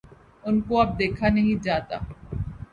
ان کو اب دیکھا نہیں جاتا۔